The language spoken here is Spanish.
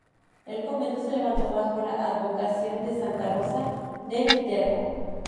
El convento se levantó bajo la advocación de Santa Rosa de Viterbo.